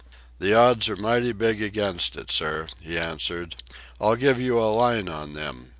"The odds are mighty big against it, sir," he answered. "I'll give you a line on them.